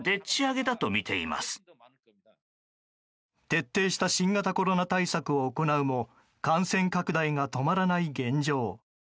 徹底した新型コロナ対策を行うも感染拡大が止まらない現状。